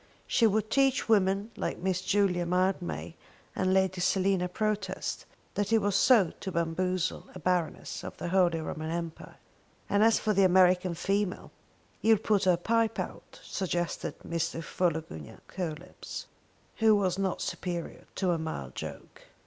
She would teach women like Miss Julia Mildmay and Lady Selina Protest what it was to bamboozle a Baroness of the Holy Roman Empire! And as for the American female . "You'll put her pipe out," suggested Mr. Philogunac Coelebs, who was not superior to a mild joke.